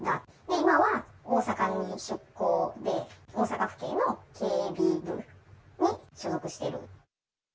今は大阪に出向で、大阪府警の警備部に所属していると。